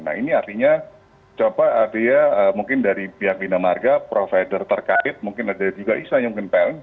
nah ini artinya coba artinya mungkin dari pihak bina marga provider terkait mungkin ada juga isa yang mungkin pelt